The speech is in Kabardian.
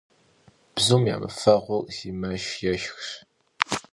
Bzum yamıfeğum si meşş yêşşx.